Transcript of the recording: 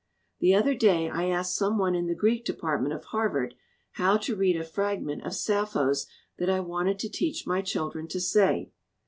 "The other day I asked some one in the Greek department of Harvard how to read a fragment of Sappho's that I wanted to teach my children to say.